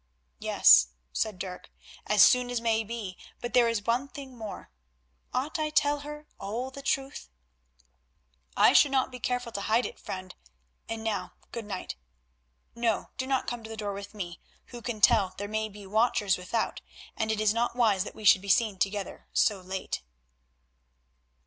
"Yes," said Dirk, "as soon as may be, but there is one thing more; ought I tell her all the truth?" "I should not be careful to hide it, friend, and now, good night. No, do not come to the door with me. Who can tell, there may be watchers without, and it is not wise that we should be seen together so late."